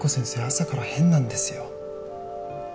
朝から変なんですよ